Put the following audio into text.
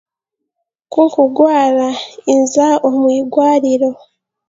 Nkukugwara nza omu igwariro